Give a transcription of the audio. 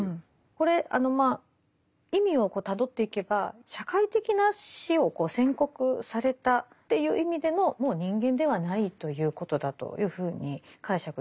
これまあ意味をたどっていけば社会的な死を宣告されたという意味でのもう人間ではないということだというふうに解釈できます。